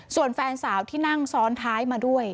ส่วนแฟนสาวที่นั่งซ้อนท้ายมาด้วย